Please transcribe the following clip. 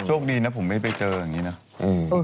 ช่วงนี้นะผมไม่ได้เจอกันอย่างนี่เนอะ